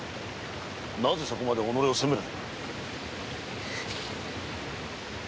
なぜそこまで己を責める。